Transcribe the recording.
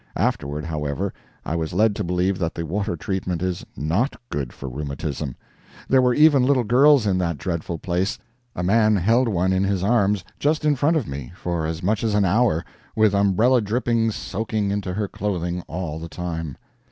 Afterward, however, I was led to believe that the water treatment is NOT good for rheumatism. There were even little girls in that dreadful place. A man held one in his arms, just in front of me, for as much as an hour, with umbrella drippings soaking into her clothing all the time.